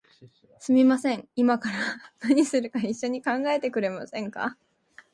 すみません、いまから何するか一緒に考えてくれませんか？